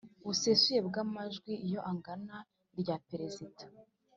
busesuye bw amajwi Iyo angana irya Perezida